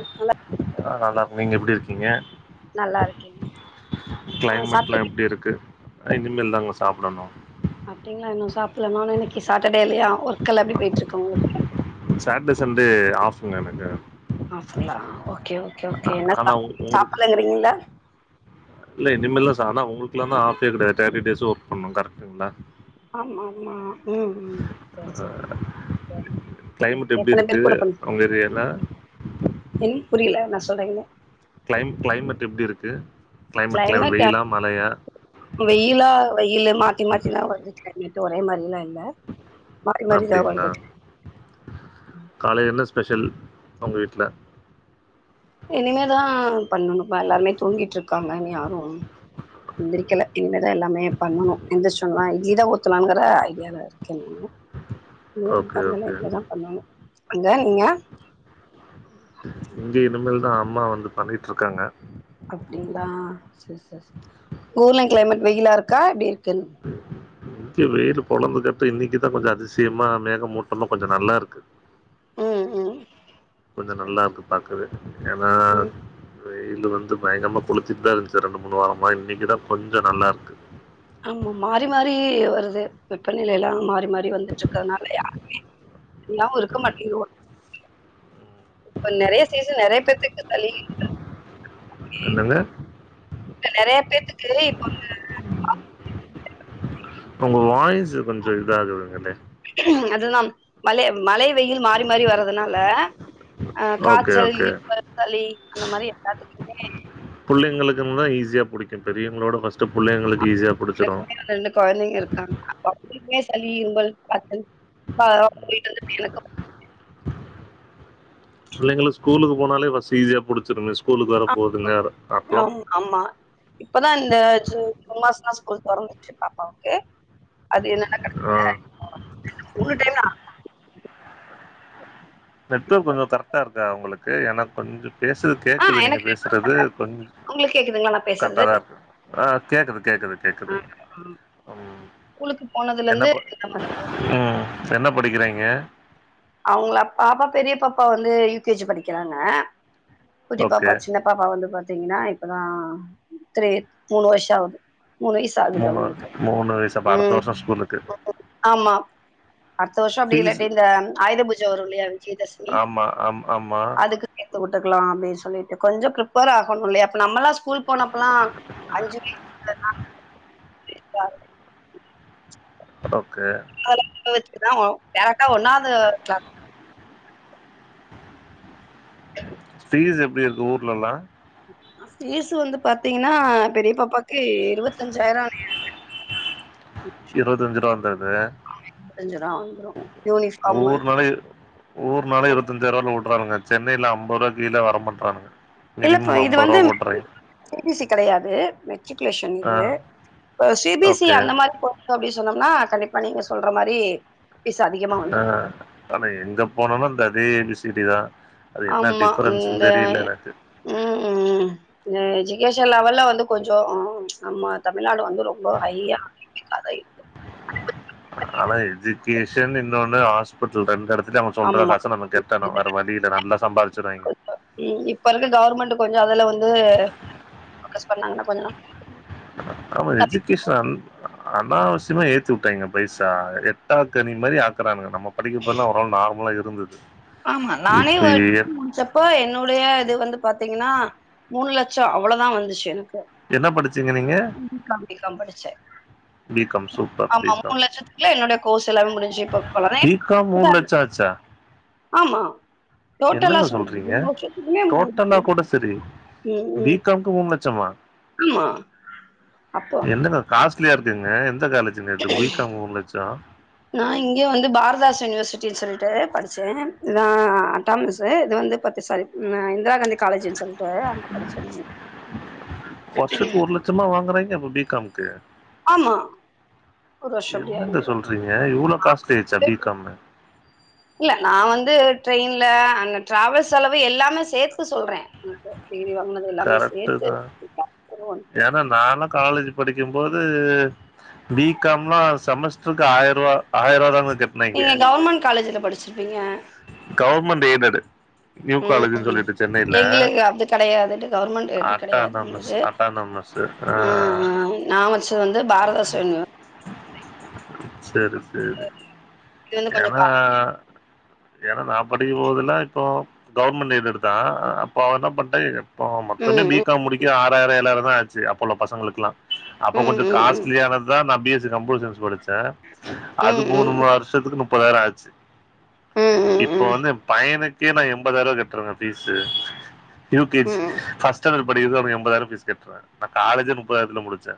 Okay ஆ நல்லா இருக்கே நீங்க எப்டி இருக்கீங்க நல்லா இருக்கேங்க ஆ கிளைமேட்லா சாப்ட்டீங்க எப்டி இருக்கு இனிமேல் தாங்க சாப்டணு அப்டிங்களா இன்னு சாப்டல நானு இன்னக்கி சாட்டர்டே இல்லையா ஒர்க்ல்லா எப்டி போயிட்டு இருக்கு உங்களுக்கு சாட்டர்டே சண்டே ஆஃப்ங்க எனக்கு ஆஃப்ங்களா ஓகே ஓகே அ ஓகே என்ன ஆனா சாப்பாடு உங்களுக்கு சாப்டலங்கிறீங்கள இல்ல இனிமேல்தா சா ஆனா உங்களுக்குல்லாதா ஆஃப்பே கெடையாது தேட்டி டேஸ்ஸு ஒர்க் பண்ணணு கரெக்ட்டுங்ளா ஆமா ஆமா ம் ம் சேரி சேரி கிளைமேட் ஓகே எப்டி எத்தன இருக்கு பேர் கூட உங்க ஏரியால ம் புரியல என்ன சொல்றீங்கன்னு கிளைம் கிளைமேட் எப்டி இருக்கு கிளைமேட் கிளைமேட் வெயிலா மழையா வெயிலா வெயிலு மாத்தி மாத்திதா வருது கிளைமேட் ஒரே மாரிலா இல்ல மாறி மாறிதா அப்டிங்களா வருது காலேல என்ன ஸ்பெஷல் உங்க வீட்ல இனிமேதா பண்ணணு இப்ப எல்லாருமே தூங்கிட்டு இருக்காங்க இனி யாரு எந்திரிக்கல இனிமேதா எல்லாமே பண்ணணு எந்திரிச்ச ஒன்னதா இட்லிதா ஊத்தலாங்ற ஐடியால இருக்கே நானு இன்னு ஓகே பண்ணல ஓகே இனிமேதா பண்ணணு அங்க நீங்க இங்க இனிமேல்தா அம்மா வந்து பண்ணிட்டுருக்காங்க அப்டிங்ளா செரி செரி செரி ஊர்ல கிளைமேட் வெயிலா இருக்கா எப்டி இருக்குன்னு இங்க வெயில் பொலந்துக்கட்டு இன்னைக்குதா கொஞ்சோ அதிசயமா மேகமூட்டோல்லா கொஞ்சோ நல்லா இருக்கு ம் ம் கொஞ்சோ செரி நல்லா ஓகே இருக்கு பாக்கவே ஏனா ம் வெயிலு வந்து பயங்கரமா கொளுத்திட்டுதா இருந்துச்சு ரெண்டு மூணு வாரமா இன்னைக்குதா கொஞ்சோ நல்லாருக்கு ஆமாமா மாறி மாறி வருது வெப்பநிலையெல்லா மாறி மாறி வந்துட்டு இருக்கனாலயா நவ் இருக்க மாட்டேங்கு இப்ப நெறயா சீசன் நெறயா பேத்துக்கு சளி, இருமல் என்னங்க இங்க நெறயா பேத்துக்கு இப்ப இங்க உங்க வாய்ஸ் கொஞ்சோ இதாகுதுங்களே அதுதா மழை மழை வெயில் மாறி மாறி வர்றதுனால அ ஓகே, காய்ச்சல், ஓகே. இருமல், சளி அந்த மாரி எல்லாத்துக்குமே புள்ளைகளுக்குனா ஈஸியா புடிக்கு பெரியவங்கள விட ஃபர்ஸ்ட்டு புள்ளைங்களுக்கு ஈஸியா புடிச்சிரும். எனக்குமே வந்து ரெண்டு கொழந்தைங்க இருக்காங்க [inaudible] சளி, இருமல், காய்ச்சல் ம். [inaudible] புள்ளைங்கள் ஸ்கூலுக்கு போனாலே ஃபர்ஸ்ட் ஈஸியா புடிச்சிருமே ஸ்கூலுக்கு வேர ஆமா போகுதுங்க அப்பெல்லா ஆமா ஆமா இப்பதா இந்த ஜு ஜூன் மாசோதான் ஸ்கூல் தொறந்துச்சு பாப்பாவுக்கு அது என்ன ஆ உன்னுட்டேனா நெட் ஒர்க் கொஞ்சோ கரெக்டா இருக்கா உங்களுக்கு எனக்கு கொஞ்சோ பேசறது ஆ கேக்குது நீங்க எனக்கு ரெகுலர் பேசறது பண்றாங்க. கொஞ் உங்களுக்கு கேக்குதுங்களா நான் பேசுறது? கரெக்டாதா இருக்கு ஆ கேக்குது கேக்குது ஆ கேக்குது ம் ஸ்கூலுக்கு என்ன போனதுலருந்து இந்த மாரி ம் என்ன படிக்கறீங்க அவுங்கள பாப்பா பெரிய பாப்பா வந்து யூ கே ஜி படிக்கிறாங்க குட்டி ஓகே பாப்பா சின்ன பாப்பா வந்து பாத்தீங்கன்னா இப்பதான் த்ரீ மூணு வருஷோ ஆகுது மூணு வயசு ஆகுது மூணு அவுங்களுக்கு மூணு வயசு அப்ப அடுத்த ம் வருஷோ ஸ்கூல் இருக்கு ஆமா அடுத்த வருஷோ அப்டி ஃபீஸ் இல்லாட்டி இந்த ஆயுத பூஜ வரு இல்லயா விஜயதசமி ஆமா ஆம் ஆமா அதுக்கு சேத்து விட்டுக்கலா அப்டின்னு சொல்லிட்டு கொஞ்சோ ப்ரிப்பேர் ஆகனு இல்லயா அப்ப நம்மெல்லா ஸ்கூல் போனப்பல்லா அஞ்சு [inaudible] ஓகே [inaudible] வெச்சுதா டைரக்டா ஒன்னாவது கிளா ஃபீஸ் எப்டி இருக்கு ஊர்ல எல்லா ஃபீஸ் வந்து பாத்தீங்கன்னா பெரிய பாப்பாக்கு இருவத்தஞ்சாயிரோ ஆகி இருக்கு இருவத்தஞ்சு ரூவா வந்திருது இருவத்தஞ்சிரூவா வந்திரு யூனிஃபார்மு ஊர்னால இருவத்தஞ்சாயிர ரூவால விடுறாங்க சென்னைல அம்பது ரூவாக்கு கீழ வர மாட்றாங்க இல்லப்பா இது வந்து சி பி சி கெடயாது மெட்ரிகுலேஷன் ஆ இது C B S C okay அந்த மாரி அப்டி சொன்னம்னா கண்டிப்பா நீங்க சொல்ற மாரி ஃபீஸ் அதிகமா அ வந்திருக்கு ஆனா எங்க போனாலு இந்த அதே ஏ பி சி டிதா அது என்ன ஆமா இந்த டிஃப்ரென்ஸுன்னு தெரில எனக்கு ம் ம் இந்த எஜுகேஷன் லெவல்ல வந்து கொஞ்சோ நம்ம தமிழ்நாடு வந்து ரொம்ப ஹையா அதா இருக்கு ஆனா எஜுக்கேஷன் இன்னொன்னு ஆஸ் பிட்ல் ரெண்டு எடத்துலியு அவ சொல்ற ஆமா காச நம கெட்டணு வேற வழி இல்ல நல்லா சம்பாதிச்சறாய்ங்க. அ ம் இப்ப இருக்க கவர்மெண்டு கொஞ்சோ அதுல வந்து ஃபோகஸ் பண்ணாங்கன்னா கொஞ்சோ ஆமா எஜுகேஷன் நல் அனாவசியமா ஏத்தி உட்டாய்ங்க பைசா எட்டாக்கனி மாரி ஆக்குறானுங்க நம்ம படிக்கிப்பல்லா ஒரளவு நார்மலா இருந்துது. ஆமா நானே வட் முச்சப்போ என்னுடைய இது வந்து பாத்தீங்கன்னா மூணு லட்சோ அவ்வளதா வந்துச்சு எனக்கு. என்ன படிச்சீங்க நீங்க [inaudible] காம் பி காம் படிச்சே. பி காம் சூப்பர் பி ஆமா மூணு காம் லட்சத்துக்குள்ள என்னுடைய கோர்ஸ் எல்லாமே முடிஞ்சு இப்ப பி காம் மூணு [inaudible] லட்ச ஆச்சா ஆமா. டோட்டலா என்னங்க சொல்றே சொல்றீங்க மூணு வருஷத்துக்குமே மூணு டோட்டலா வருஷம் கூட செரி. பி காம் க்கு மூன் லட்சமா? ம்மா அப்போ என்னங்க காஸ்ட்லியா இருக்குங்க எந்த காலஜ்ஜுங்க இது பி காம் மூன் லச்சோ நா இங்க வந்து பாரதாஸ் யுனிவர்சிட்டின் சொல்ட்டு படிச்சே. நா அட்டாமசு இது வந்து பத்து சாரி நா இந்திரா காந்தி காலேஜ்ன் சொல்ட்டு அங்க படிச்சே நானு. ச்சமா வாங்குறாய்ங்க இப்போ பி காம் க்கு. ஆமா ஒரு வருஷோ அப்டி என்னங்க ஆயிடுதா சொல்றீங்க இவ்ளோ காஸ்ட்லி ஆய்ர்ச்சா பி காமு. இல்ல நா வந்து ட்ரெயின்ல அங்க ட்ராவல் செலவு எல்லாமே சேத்து சொல்றே உனக்கு. டிகிரி வாங்குனது எல்லாமே சேத்து [inaudible] ஆனா நால்லா காலேஜ் படிக்கிம்போது பி காம் லா செமஸ்ட்ருக்கு ஆயர்வா ஆயர்வாதாங்க கெ நீங்க கவுமெண் காலேஜ்ல படிச்சிருப்பீங்க. Government aided. ம் எங்குளுக்கு அது கெடையாதுடு கவுர்மெண்டு எய்டெட் கெடையாது அட்டானமஸ் எங்குளுது. அட்டானமஸ் ம் ம் நா பச்சது வந்து பாரதாஸு யுனிவ செரி சேரி இது வந்து கொஞ்சோ ஏன்னா கா ஏனா நா படிக்கும் போதெல்லா இப்போ கவுர்மெண்ட்டு எய்டெடுதா அ அப்போ அவ என்ன பண்ட்டா இ ப்போ மொத்தமே பி ம் காம் முடிக்க ஆறாயிரோ ஏழாயிரந்தா ஆச்சி அப்போ உள்ள பசங்களுக்ளா. அப்ப ம் கொஞ்சோ ம் ம் காஸ்ட்லியானதா நா B S C computer science படிச்சே அது ம் ம் மூணும வரு ஷத்துக்கு நுப்பதாயிரோ ஆச்சு. ம் இப்போ ம் வந்து எ பையனுக்கே நா எம்பதாயிருவா கட்றங்க ஃபீசு. யூ கே ம் ஜி ம் ஃபஸ்ட்டாண்டடு படிக்கிறதுக்கே அவுனுக்கு எம்பதாயிரோ ஃபீஸ் கட்றே நா காலேஜே நுப்பதாயிரத்துல முடிச்சே.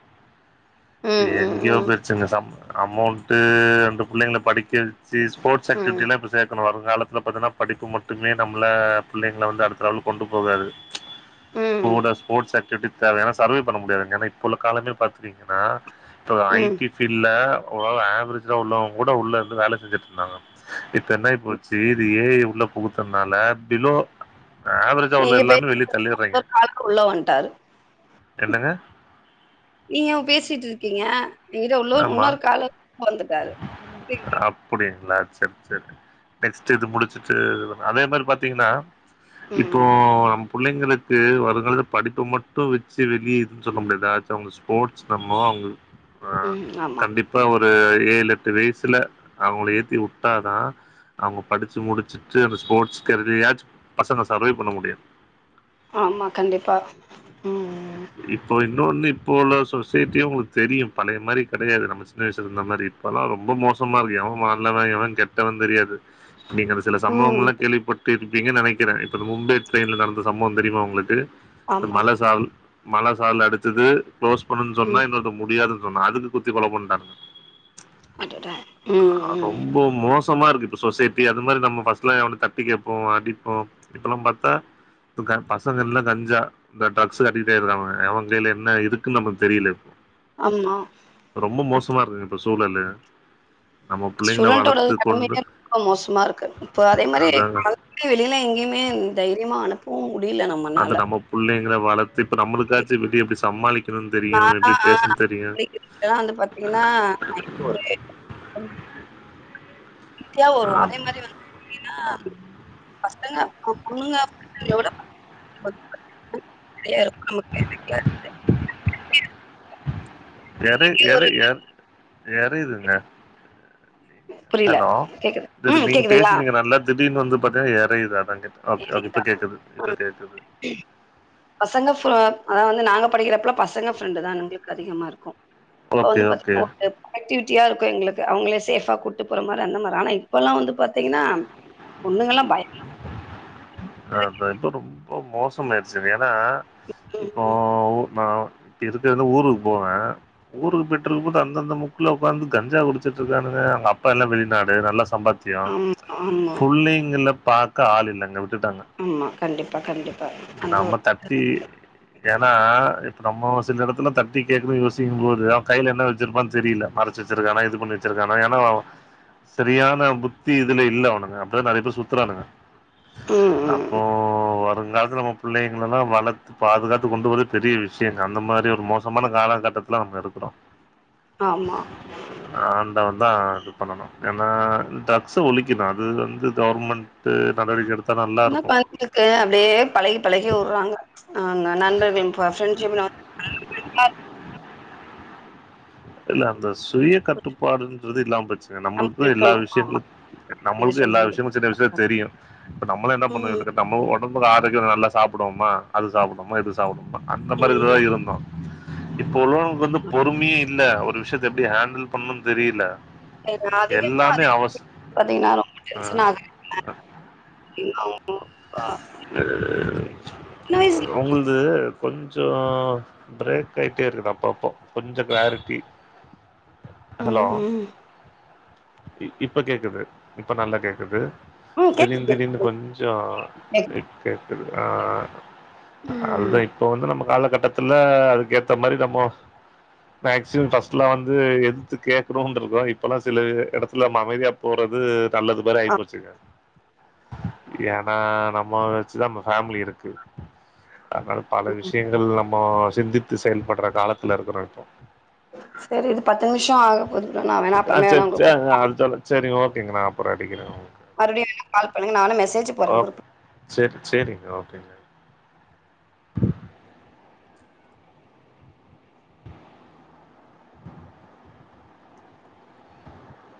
ம் ம் ம் எங்யோ போயிர்ச்சுங்க சம் அமௌண்ட்டு ரண்டு புள்ளைங்கள படிக்க சி ஸ்போட்ஸ் ம் ஆக்டிவிட்டிலா இப்ப சே ன்னு வருங்காலத்துல பாத்தினா படிப்பு மட்டுமே நம்ள புள்ளைங்கள வந்து அடுத்த லெவல்க் கொண்டு போகாது. ம் ம் கூட ஸ்போட்ஸ் ஆக்டிவிட்டி தாருக்கு ஏனா சர்வே பண்ண முடியாதுங்க ஏனா இப்ப உள்ள காலங்கள் பாத்துடிங்கனா இப்ப ஐ ம் டி ஃபீல்ல ஒரளவு ஏவரேஜ்டா உள்ளவங்கூட உள்ள இருந்து வேல செஞ்சுட்ருந்தாங்க. இப் பென்னாய்ப்போச்சி இது ஏ ஐ உள்ள புகுத்தன்னால பிலோ ஏவரேஜா உள்ள நீங்க பே எல்லாமே வெளிய தள்ளிர்றாய்ங்க. ஒரு காலர் உள்ள வன்ட்டாரு என்னங்க? நீங்க அவு பேசிட்ருக்கீங்க எங்கிட்ட உள்ளோ ஆமா இன்னொரு கால வந்துட்டாரு டிங் டிங் அப்புடிங்ளா செர் செர் நெக்ஸ்ட்டு இது முடிச்சுட்டு அதுபண் அதே மாரி பாத்தீங்கன்னா இப்போ ம் நம் புள்ளைங்களுக்கு வருங்காலத்துல படிப்ப மட்டு வெச்சு வெளிய எதுன் சொல்ல முடியாது [unintelligible] ஸ்போர்ட்ஸ் தெறம தா அவங் அ ம் ஆமா கண்டிப்பா ஒரு ஏழு எட்டு வய்சுல அவங்கள ஏத்திவுட்டாதா அவங்க படிச்சு முடிச்சுட்டு அந்த ஸ்போர்ட்ஸ் கரியர்யாச்சு பசங்க சர்வே பண்ண முடியு ஆமா கண்டிப்பாக ம் இப்போ இன்னொன்னு இப்போ உள்ள சொசைட்டியு உங்களுக்கு தெரியு பழைய மாரி கெடையாது நம்ம சின்ன வய்சுல இருந்த மாரி இப்பெல்லா ரொம்ப மோசமாருக்கு எவே நல்லவே எவே கெட்டவன் தெரியாது நீங்க அந்த சில ம் சம்பவம்லா கேள்விப்பட் ட்டு இருப்பீங்கன்னு நெனைக்கிறே இப்ப இந்த மும்பை ட்ரெயின்ல நடந்த சம்பவோ தெரியுமா உங்குளுக்கு இந்த ஆமா மலசால் மழசாரல் அடிச்சது க்ளோஸ் பண்ணுன் சொன்னா ம் இன்னொர்த்த முடியாதுன் சொன்னா அதுக்கு குத்தி கொல பண்டாங் அடடா ம் ஆ ம் ரொம்ப மோசமாருக்கு இப்ப சொசைட்டி அது மாரி நம்ம ஃபஸ்ட்லா எவனா தட்டி கேப்போ அடிப்போ இப்பல்லா பாத்தா டு க பசங்கள்லா கஞ்சா இந்த டிரக்ஸ்சுக்கு அடிக்ட்டு ஆயிர்றாவே எவே கைல என்ன இருக்குன்னு நமக்கு தெரில இப் ஆமா ரொம்ப மோசமா இருக்குது இப்ப சூழலு நம்ம புள்ளைங்கள ஸ்டூடெண்டோட வளத்து [inaudible] கொண்டு ரொம்ப மோசமாருக்கு இப்போ அதே மாரி அதா க்கே வெளில எங்கிமே தைரியமா அனுப்பவு முடில நம்ம அது நம்ம புள்ளைங்கள வளத் இப்ப நம்முளுக்காச்சு வெளிய எப்டி சமாளிக்றதுன் தெரியு எப்டி பேசுன் தெரியு இதுலா வந் பாத் தினா நைட்டு ஒரு ஒரு மணி [inaudible] க்குலா ஆ வருவோ அதே மாரி வந்து பாத்தீன்னா பசங்க பொண்ணுங்க [inaudible] எவ்ளோ [inaudible] எறை இங்கே ஒரு எறை எ எறையிதுங்க புரியல ஹலோ கேக்குது இ து ம் நீங்க கேக்குதுங்களா பேசுறிங்க நல்லா திடீர்ன்னு வந்து பாத்தினா எறையுது அதா கேட்டே ஓகே ஓ இப்ப இதேதான். கேக்குது இப்ப கேக்குது பசங்க ஃபா அதாது வந்து நாங்க படிக்றப்பலா பசங்க ஃப்ரெண்டு தா எங்ளுக்கு அதிகமாருக்கு அப்ப ஓகே வந்து ஓகே பாத்தீங்னா ஒரு ப்ரோடக்டிவிட்டியா இருக்கு எங்ளுக்கு அவங்களே சேஃபா கூட்டு போற மாரி அந்த மாரி ஆனா இப்பல்லா வந்து பாத்தீங்கனா பொண்ணுங்கலா பய அ இப்ப இப்போ ரொம்ப மோசமாய்ருச்சு ஏனா ம் இப்போ ஒ நா [unintelligible] ஊருக்கு போவே ஊருக்கு பெயிட்ருக்கும்போது அந்தந்த முக்குல உக்காந்து [unintelligible] குடிச்சிட்ருக்கானுங்க அங்க அப்பா எல்லா வெளிநாடு நல்லா சம்பாத் தியோ ஆமா ஆமா புள்ளிங்கள பாக்க ஆள் இல்லைங்க விட்டுட்டாங்க ஆமா கண்டிப்பா கண்டிப்பா அந்த ஒரு [inaudible] ஏனா இப்ப நம்ம ஒரு சில எடத்துல தட்டி கேக்கவே யோசிக்கும் போது அவே கைல என்ன வச்சிருப்பான் தெரில மற் ச்சி வச்சிருக்கானா இது பண்ணி வச்சிருக்கானா ஏனா சரியான புத்தி இதுல இல்ல அவனுங்க அப்டிதா நறைய பேர் சுத்துறானுங்க ம் ம் அப்போ ம் வருங்காலத்துல நம்ம புள்ளைங்களலா வளத் பாதுகாத்து கொண்டு போறது பெரிய விஷயங்க அந்த மாரி ஒரு மோசமான காலகட்டத்துல நம்ம இருக்குறோ ஆமா ஆண்டவன்தா இது பண்ணணு ஏன்னா டிரக்ஸு ஒழிக்கணு அது வந்து கவுர்மெண்ட் ட்ரு நடவடிக்க எடுத்தா நல்லாருக்கும் இதுக்கு அப்டியே பழகி பழகி உர்றாங்க அங்க நண்பர் ப ஃபிரண்ட்ஷிப் இல்ல அந்த சுய கட்டுப்பாடுன்றது இல்லாம போச்சுங்க நமக்கு நம்மளுக்கு எல்லா இருக்கணு ஆமா விஷயங்களு நீங்க நம்மளுக்கு எல்லா சொல்றீங்க விஷயமு சின்ன விஷயமு தெரியு இப்ப நம்மள என்ன ம் பண்ணு நம்ம ஒடம்புல ஆரோக்கிய நல்லா சாப்டுவோமா அது சாப்டுவோமா இது சாப்டுவோமா அந்த மாரிதா ம் இருந்தோ இப்ப உள்ளவங்க்கு வந்து பொறுமையே இல்ல ஒரு விஷயத்த எப்டி ஹேண்டில் பண்ணுன்னு தெரியில [unintelligible] அதிக அதிக பாத்தீங்கன்னா ரொம்ப அ டென்ஷனாகுது இங்க [inaudible] ஆ இ சின்ன வயசு உங்குள்து கொஞ்ச பிரேக் ஆயிட்டே இருக்குது அப்பப்போ கொஞ்ச கிளாரிட்டி ஹலோ ம் ம் இ இப்ப கேக்குது இப்ப நல்லா கேக்குது திடீன் திடீர்னு கொஞ்ச எக் கேக்குது ஆ ம் அதுதா இ ப்போ வந்து நம்ம காலகட்டத்துல அதுக்கேத்த மாரி நம்மோ மேக்சிமம் ஃபஸ்ட்லா வந்து எதிர்த்து கேக்கணுன்‌ இருந்தோ இப்பெல்லா சில எடத்துல நம்ம அமைதியா போறது நல்லதுமாரி ஆயி போச்சுங்க ஏன்னா நம்மோ வச்சுதா நம்மோ ஃபேமிலி இருக்கு அதனால பல விஷயங்க இதுல நம்மோ சிந்தித்து செயல்படுற காலத்துல இருக்கிறோ இப்போ செரி இது பத்து நிமிஷ ஆகும் ஒருவான்னா வேணா ஆ அப்புறமே சேர் வேணா உங்களுக்கு கூப் சேர் அடுத்த ஆள செரிங்க ஓகேங்க நா அப்புறம் அடிக்கிற மறுபடியு எனக்கு கால் பண்ணங்க நானு மெசேஜ் போடுற குருப் சேரி சேரிங்க ஓகேங்க